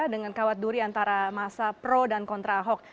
dengan kawat duri antara masa pro dan kontra ahok